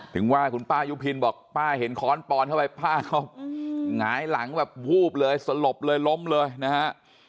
ถึงว่าคุณป้ายุพินบอกป้าเห็นค้อนปอนเข้าไปป้าเขาหงายหลังแบบวูบเลยสลบเลยล้มเลยนะฮะ